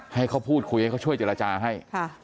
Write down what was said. ให้เขาพูดคุยให้เขาช่วยเจรจาให้